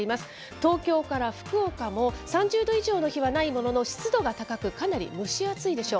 東京から福岡も３０度以上の日はないものの、湿度が高く、かなり蒸し暑いでしょう。